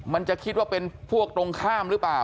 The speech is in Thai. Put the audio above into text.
มันจะคิดว่าเป็นพวกตรงข้ามหรือเปล่า